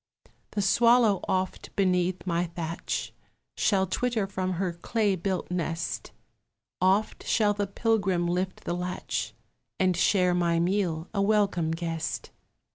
The swallow oft beneath my thatch Shall twitter from her clay built nest; Oft shall the pilgrim lift the latch And share my meal, a welcome guest.